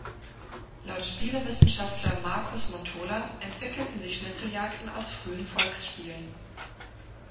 Laut Spielewissenschaftler Markus Montola entwickelten sich Schnitzeljagden aus frühen Volksspielen.